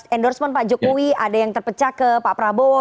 endorsement pak jokowi ada yang terpecah ke pak prabowo